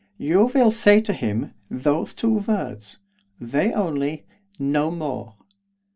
'You will say that to him; those two words; they only; no more.